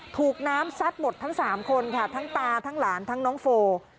ถูกน้ำซัดหมดทั้ง๓คนค่ะทั้งตาทั้งหลานทั้งน้องโฟ